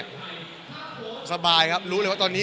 มีอีกประมาณ๑๐ปี